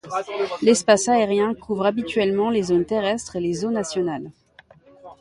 L'espace aérien couvre habituellement les zones terrestres et les eaux nationales.